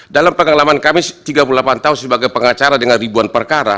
dalam pengalaman kami tiga puluh delapan tahun sebagai pengacara dengan ribuan perkara